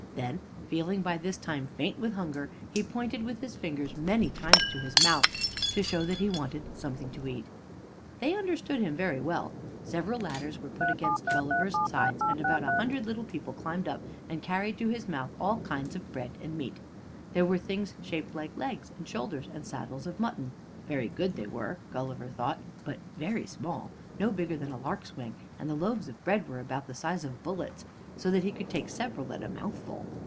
Then, feeling by this time faint with hunger, he pointed with his fingers many times to his mouth, to show that he wanted something to eat. They understood him very well. Several ladders were put against Gulliver's sides, and about a hundred little people climbed up and carried to his mouth all kinds of bread and meat. There were things shaped like legs, and shoulders, and saddles of mutton. Very good they were, Gulliver thought, but very small, no bigger than a lark's wing; and the loaves of bread were about the size of bullets, so that he could take several at a mouthful.